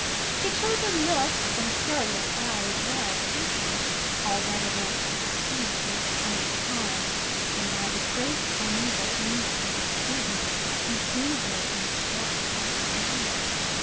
He chose a nook, from curious eyes well hidden— All redolent with sweet midsummer charm, And by the great primeval instinct bidden, He drew her in the shelter of his arm.